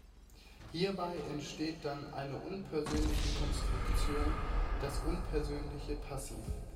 Hierbei entsteht dann eine unpersönliche Konstruktion, das unpersönliche Passiv.